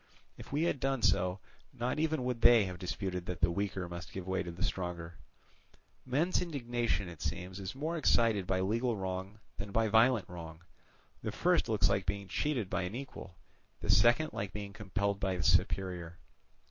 If we had done so, not even would they have disputed that the weaker must give way to the stronger. Men's indignation, it seems, is more excited by legal wrong than by violent wrong; the first looks like being cheated by an equal, the second like being compelled by a superior.